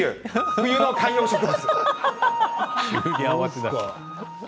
冬の観葉植物。